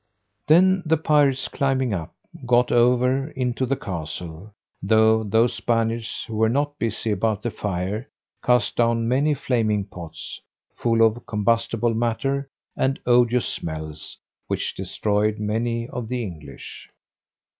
Then the pirates climbing up, got over into the castle, though those Spaniards, who were not busy about the fire, cast down many flaming pots full of combustible matter, and odious smells, which destroyed many of the English.